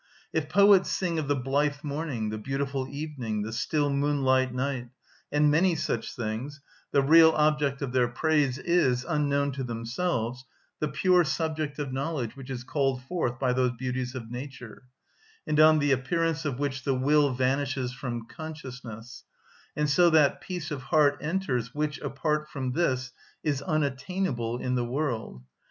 If poets sing of the blithe morning, the beautiful evening, the still moonlight night, and many such things, the real object of their praise is, unknown to themselves, the pure subject of knowledge which is called forth by those beauties of nature, and on the appearance of which the will vanishes from consciousness, and so that peace of heart enters which, apart from this, is unattainable in the world.